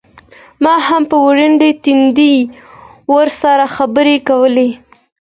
ما هم په ورين تندي ورسره خبرې کولې.